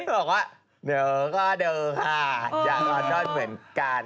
บอกว่าเด้อก็เด้อค่ะจากลอนดอนเหมือนกัน